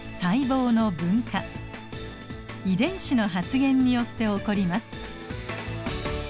遺伝子の発現によって起こります。